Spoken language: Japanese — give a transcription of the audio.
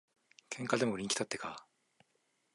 喧嘩でも売りにきたってか。